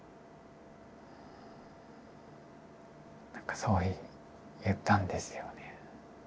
そう言ったんですよね。